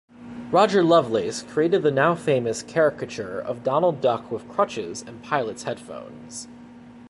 Rodger Lovelace create the now-famous caricature of Donald Duck with crutches and pilot's headphones.